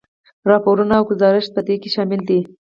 راپورونه او ګذارشات په دې کې شامل دي.